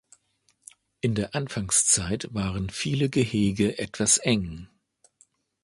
In der Anfangszeit waren viele Gehege etwas eng.